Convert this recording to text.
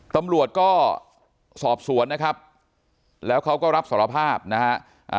ตำรวจก็สอบสวนนะครับแล้วเขาก็รับสารภาพนะฮะ